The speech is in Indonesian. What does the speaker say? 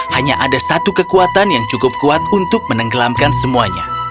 hanya ada satu kekuatan yang cukup kuat untuk menenggelamkan semuanya